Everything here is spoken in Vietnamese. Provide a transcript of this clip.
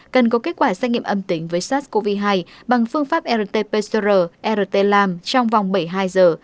cần có kết quả xét nghiệm âm tính với sars cov hai bằng phương pháp rt pcr rt lam trong vòng bảy mươi hai giờ